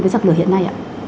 với giặc lửa hiện nay ạ